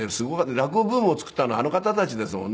落語ブームを作ったのはあの方たちですもんね。